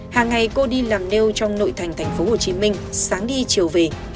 hàng ngày cô đi làm neo trong nội thành tp hcm sáng đi chiều về